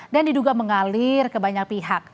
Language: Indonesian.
dan diduga mengalir ke banyak pihak